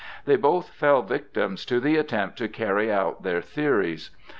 They both fell victims to the attempt to carry out their theories.